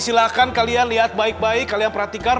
silahkan kalian lihat baik baik kalian perhatikan